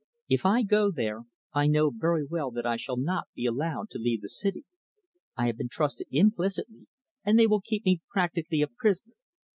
If I go there, I know very well that I shall not be allowed to leave the city. I have been trusted implicitly, and they will keep me practically a prisoner.